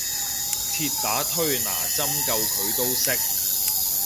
鐵打推拿針灸佢都識